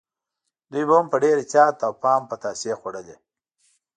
دوی به هم په ډېر احتیاط او پام پتاسې خوړلې.